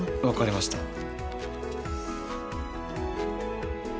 分かりました。